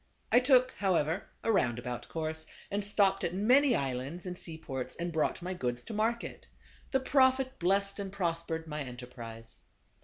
I took, however, a roundabout course, and stopped at many islands, and seaports, and brought my goods to market. The Prophet blessed and prospered my enterprise.